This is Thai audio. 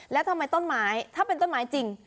แล้วทำไมต้นไม้ถ้าเป็นต้นไม้จริง